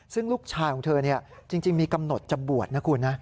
ซึ่งลูกชายของเธอจริงมีกำหนดจะบวชนะคุณนะ